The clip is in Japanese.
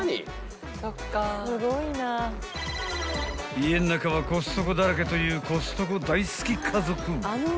［家の中はコストコだらけというコストコ大好き家族］